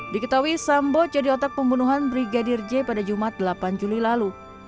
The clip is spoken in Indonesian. diketahui sambo jadi otak pembunuhan brigadir j pada jumat delapan juli lalu